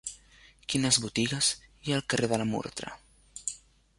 Quines botigues hi ha al carrer de la Murtra?